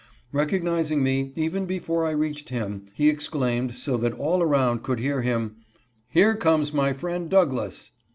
Recognizing me, even before I reached him, he exclaimed, so that all around could hear him, " Here comes my friend Douglass."